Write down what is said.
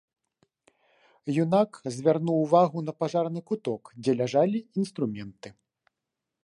Юнак звярнуў увагу на пажарны куток, дзе ляжалі інструменты.